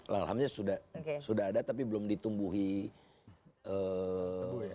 lahannya sudah ada tapi belum ditumbuhi tebu